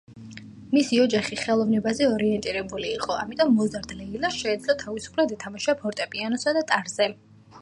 მისი ოჯახი ხელოვნებაზე ორიენტირებული იყო, ამიტომ მოზარდ ლეილას შეეძლო თავისუფლად ეთამაშა ფორტეპიანოსა და ტარზე.